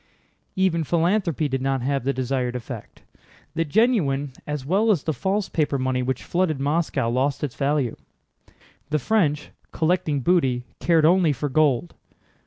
Even philanthropy did not have the desired effect. The genuine as well as the false paper money which flooded Moscow lost its value. The French, collecting booty, cared only for gold.